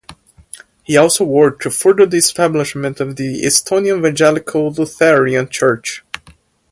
He also worked to further the establishment of the Estonian Evangelical Lutheran Church.